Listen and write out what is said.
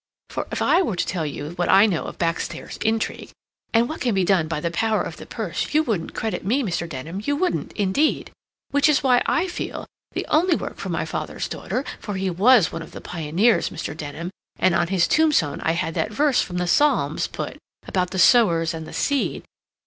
"For if I were to tell you what I know of back stairs intrigue, and what can be done by the power of the purse, you wouldn't credit me, Mr. Denham, you wouldn't, indeed. Which is why I feel that the only work for my father's daughter—for he was one of the pioneers, Mr. Denham, and on his tombstone I had that verse from the Psalms put, about the sowers and the seed....